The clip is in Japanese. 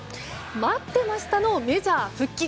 待ってましたのメジャー復帰。